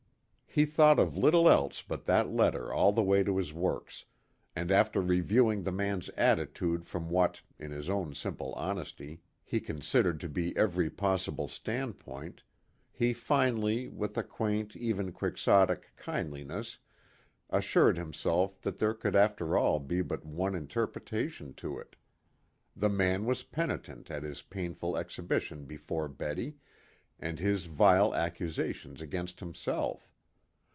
He thought of little else but that letter all the way to his works, and after reviewing the man's attitude from what, in his own simple honesty, he considered to be every possible standpoint, he finally, with a quaint, even quixotic, kindliness assured himself that there could after all be but one interpretation to it. The man was penitent at his painful exhibition before Betty, and his vile accusations against himself.